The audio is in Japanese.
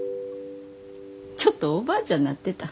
ちょっとおばあちゃんなってた。